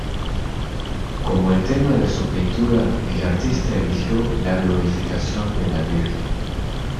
Como el tema de su pintura el artista eligió la glorificación de la Virgen.